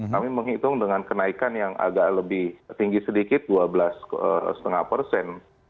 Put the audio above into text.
kami menghitung dengan kenaikan yang agak lebih tinggi sedikit dua belas lima persen